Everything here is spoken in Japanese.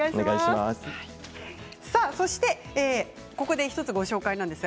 そして、ここで１つご紹介です。